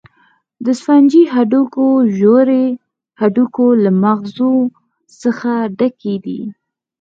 د سفنجي هډوکو ژورې د هډوکو له مغزو څخه ډکې دي.